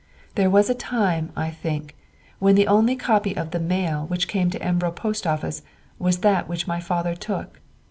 There was a time, I think, when the only copy of the Mail which came to Embro post office was that which my father took.